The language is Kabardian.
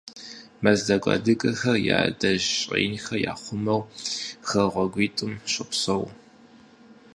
Мэздэгу адыгэхэр я адэжь щӏэинхэр яхъумэу хэгъуэгуитӏым щопсэу.